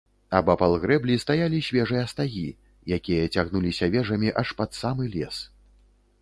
Абапал грэблі стаялі свежыя стагі, якія цягнуліся вежамі аж пад самы лес.